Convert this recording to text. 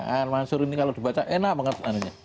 anwar mansur ini kalau dibaca enak banget